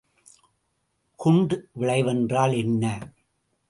குண்ட் விளைவு என்றால் என்ன?